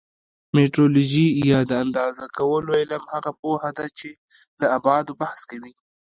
میټرولوژي یا د اندازه کولو علم هغه پوهه ده چې له ابعادو بحث کوي.